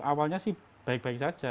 awalnya sih baik baik saja